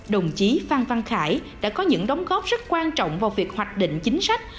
đồng chí phan văn khải đã có những đóng góp rất quan trọng vào việc hoạch định chính sách